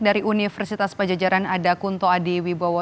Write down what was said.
dari universitas pejajaran adakunto adi wibowo